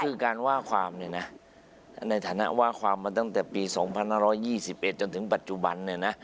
คือการว่าความเนี่ยนะในฐานะว่าความมาตั้งแต่ปี๒๕๒๑จนถึงปัจจุบันเนี่ยนะ